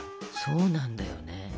そうなんだよね。